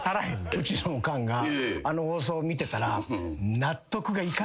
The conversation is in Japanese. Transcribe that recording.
うちのおかんがあの放送見てたら。